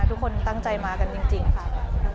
ทุกคนตั้งใจมากันจริงค่ะ